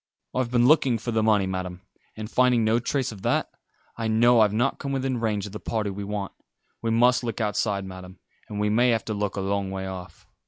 I've been looking for the money, Madam, and finding no trace of that, I know I've not come within range of the party we want. We must look outside, Madam, and we may have to look a long way off.